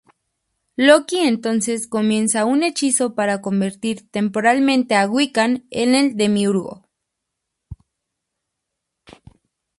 Loki entonces comienza un hechizo para convertir temporalmente a Wiccan en el Demiurgo.